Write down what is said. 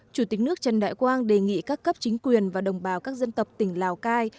chủ tịch nước trần đại quang đề nghị các cấp chính quyền và đồng bào các dân tộc tỉnh lào cai